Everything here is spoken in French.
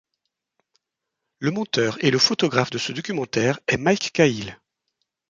Le monteur et le photographe de ce documentaire est Mike Cahill.